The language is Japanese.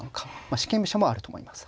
四間飛車もあると思います。